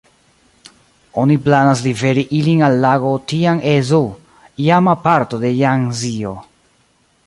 Oni planas liveri ilin al lago Tian-e-Zhou, iama parto de Jangzio.